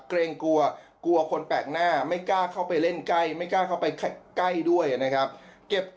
เกรงกลัวกลัวคนแปลกหน้าไม่กล้าเข้าไปเล่นใกล้